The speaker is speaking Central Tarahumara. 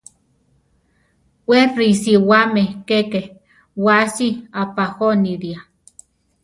We risiwáme keke wási apajónilia.